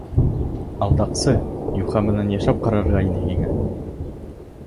Алдаҡсы, юха менән йәшәп ҡарарға ине һиңә!